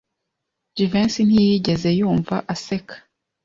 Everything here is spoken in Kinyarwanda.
Jivency ntiyigeze yumva aseka.